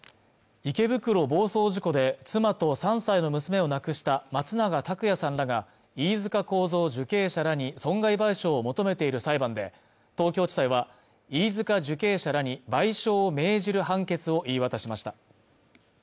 池袋暴走事故で妻と３歳の娘を亡くした松永拓也さんらが飯塚幸三受刑者らに損害賠償を求めている裁判で東京地裁は飯塚受刑者らに賠償を命じる判決を言い渡しました